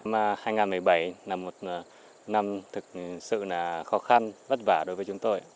năm hai nghìn một mươi bảy là một năm thực sự là khó khăn vất vả đối với chúng tôi